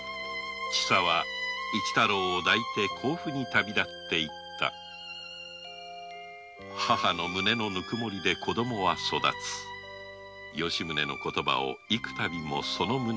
千佐は市太郎を抱いて甲府へ旅立っていった「母の胸のぬくもりで子供は育つ」という吉宗の言葉を幾度もその胸に繰り返しながら